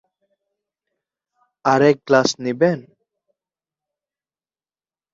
আর এক গ্লাস নিবেন?